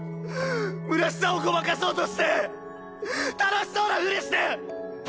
むなしさをごまかそうとして楽しそうなふりして！